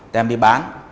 đem đi bán